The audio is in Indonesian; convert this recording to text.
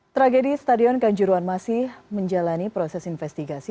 tragedi stadion kanjuruan masih menjalani proses investigasi